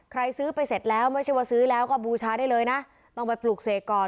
ซื้อไปเสร็จแล้วไม่ใช่ว่าซื้อแล้วก็บูชาได้เลยนะต้องไปปลูกเสกก่อน